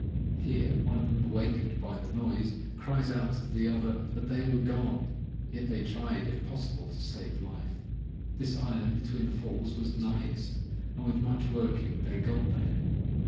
Here, one of them, awakened by the noise, cries out to the other that they were gone!—yet they tried if possible to save life. This island between the Falls was nighest, and with much working they got there.